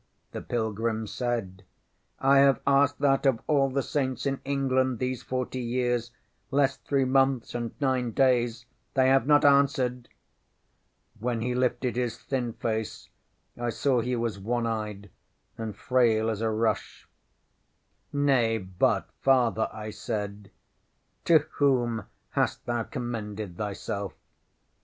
ŌĆØ the pilgrim said. ŌĆ£I have asked that of all the Saints in England these forty years, less three months and nine days! They have not answered! ŌĆØ When he lifted his thin face I saw he was one eyed, and frail as a rush. ŌĆśŌĆ£Nay, but, Father, ŌĆØ I said, ŌĆ£to whom hast thou commended thyself